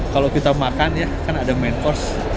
kalau kita makan ya kan ada main course